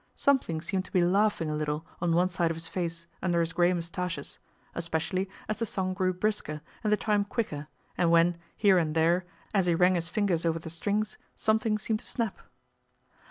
Something seemed to be laughing a little on one side of his face under his gray mustaches, especially as the song grew brisker and the time quicker and when, here and there, as he ran his fingers over the strings, something seemed to snap.